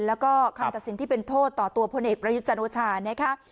แล้วก็คำตัดสินที่เป็นโทษต่อตัวพลเอกประยุทธ์จันโอชานะคะ